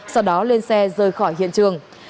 sau đó lên xe rời khỏi hiện trường